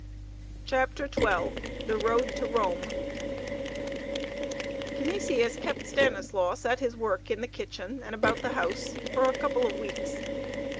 CHAPTER XII THE ROAD TO ROME Canisius kept Stanislaus at his work in the kitchen and about the house for a couple of weeks.